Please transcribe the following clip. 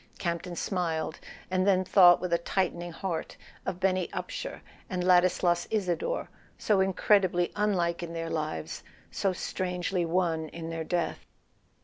Campton smiled, and then thought with a tightening heart of Benny Upsher and Ladislas Isador, so incredibly unlike in their lives, so strangely one in their death.